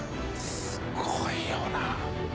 すごいよな。